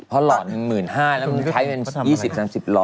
เพราะหลอนมัน๑๕๐๐๐แล้วมันใช้เป็น๒๐๓๐หลอน